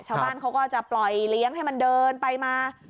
ชาวบ้านเขาก็จะปล่อยเลี้ยงให้มันเดินไปมา